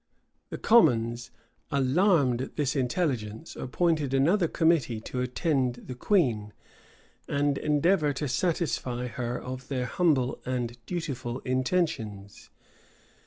The commons, alarmed at this intelligence, appointed another committee to attend the queen, and endeavor to satisfy her of their humble and dutiful intentions.